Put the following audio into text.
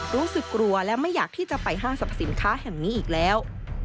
รู้สึกกลัวและไม่อยากที่จะไปห้างสรรพสินค้าแห่งนี้อีกแล้ว